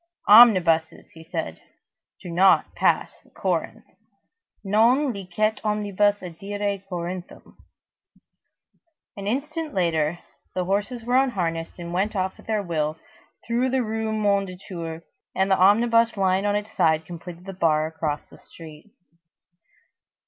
"Omnibuses," said he, "do not pass the Corinthe. Non licet omnibus adire Corinthum." An instant later, the horses were unharnessed and went off at their will, through the Rue Mondétour, and the omnibus lying on its side completed the bar across the street.